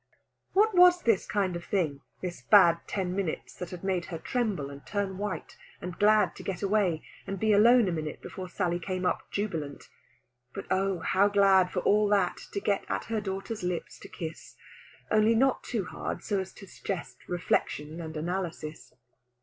What was this kind of thing, this bad ten minutes, that had made her tremble, and turn white, and glad to get away, and be alone a minute before Sally came up jubilant? But oh, how glad, for all that, to get at her daughter's lips to kiss! only not too hard, so as to suggest reflection and analysis.